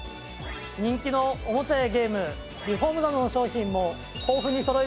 人気のおもちゃやゲームリフォームなどの商品も豊富にそろえています。